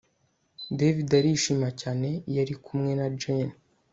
David arishima cyane iyo ari kumwe na Jane